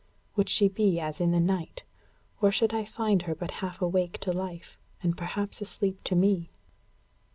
Would she be as in the night? Or should I find her but half awake to life, and perhaps asleep to me?